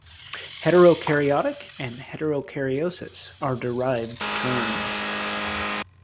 Heterokaryotic and heterokaryosis are derived terms.